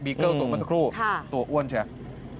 บีเกิ้ลตัวสักครู่ตัวอ้วนใช่ไหม